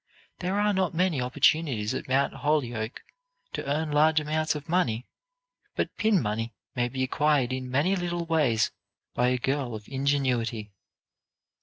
There are not many opportunities at Mount Holyoke to earn large amounts of money, but pin money may be acquired in many little ways by a girl of ingenuity."